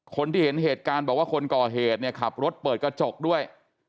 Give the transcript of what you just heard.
คนที่เห็นเหตุการณ์บอกว่าคนก่อเหตุเนี่ยขับรถเปิดกระจกด้วย